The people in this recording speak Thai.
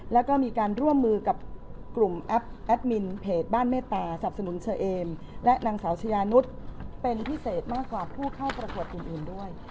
แล้วก็มีการร่วมมือกับกลุ่มแอปแอดมินเพจบ้านเมตตาสับสนุนเชอเอมและนางสาวชายานุษย์เป็นพิเศษมากกว่าผู้เข้าประกวดอื่นด้วย